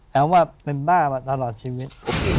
แต่ว่าเป็นบ้ามาตลอดชีวิต